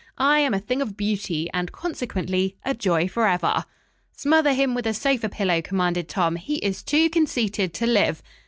"I am a thing of beauty, and, consequently, a joy forever." "Smother him with a sofa pillow!" commanded Tom. "He is too conceited to live."